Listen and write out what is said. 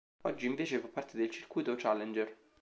Oggi invece fa parte del circuito Challenger.